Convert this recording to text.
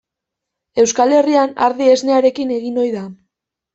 Euskal Herrian ardi esnearekin egin ohi da.